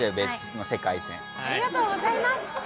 「ありがとうございます」。